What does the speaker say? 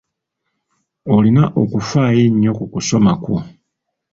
Olina okufaayo ennyo ku kusoma kwo.